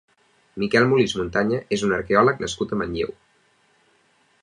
Miquel Molist Montaña és un arqueòleg nascut a Manlleu.